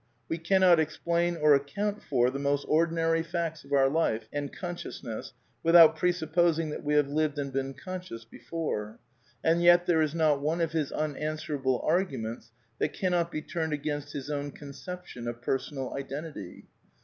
We cannot ex plain or account for the most ordinary facts of our life and consciousness without presupposing that we have lived and been conscious before. And yet there is not one of his unanswerable arguments that cannot be turned against his own conception of Per sonal Identity.